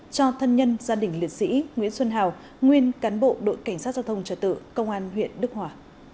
cho thân nhân gia đình liệt sĩ nguyễn xuân hào nguyên cán bộ đội cảnh sát giao thông trở tự công an huyện đức hòa